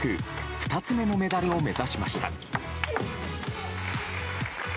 ２つ目のメダルを目指しました。